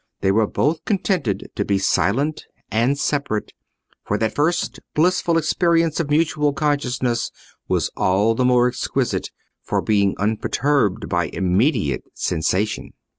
They were both contented to be silent and separate, for that first blissful experience of mutual consciousness was all the more exquisite for being unperturbed by immediate sensation.